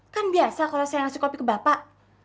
kan biasa kalau saya ngasih kopi ke bapak